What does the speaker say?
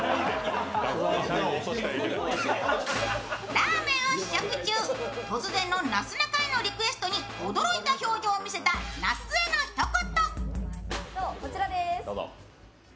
ラーメンを試食中、突然のなすなかへのリクエストに驚いた表情を見せた那須へのひと言。